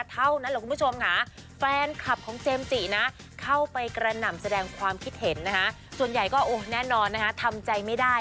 คุณผู้ชมค่ะแฟนคลับของเจมส์จินะเข้าไปกระหน่ำแสดงความคิดเห็นนะฮะ